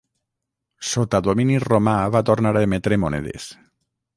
Sota domini romà va tornar a emetre monedes.